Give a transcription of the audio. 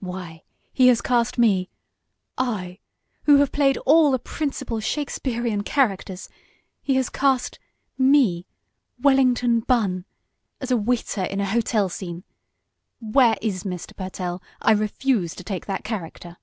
"Why, he has cast me I, who have played all the principal Shakespearean characters he has cast me Wellington Bunn as a waiter in a hotel scene! Where is Mr. Pertell? I refuse to take that character!"